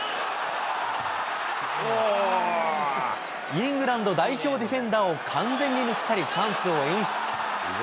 イングランド代表ディフェンダーを完全に抜き去り、チャンスを演出。